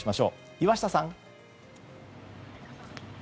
岩下さん！